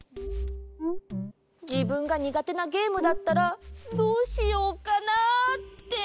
じぶんがにがてなゲームだったらどうしようかなって。